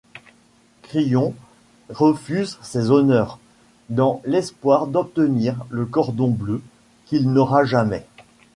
Crillon refuse ces honneurs, dans l'espoir d'obtenir le cordon bleu, qu'il n'aura jamais.